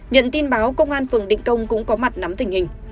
nhận tin báo công an phường định công cũng có mặt nắm tình hình